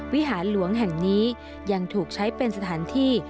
วิหารหลวงแห่งนี้ยังถูกใช้เป็นสถานที่